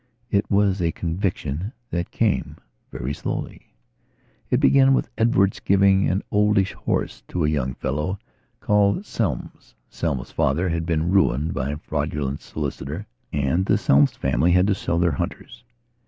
It was a conviction that came very slowly. It began with Edward's giving an oldish horse to a young fellow called Selmes. Selmes' father had been ruined by a fraudulent solicitor and the Selmes family had had to sell their hunters.